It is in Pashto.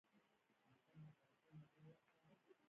سمه نتیجه به ورکړي.